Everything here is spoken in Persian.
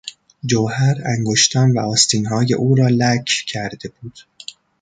جوهر انگشتان و آستینهای او را لک کرده بود.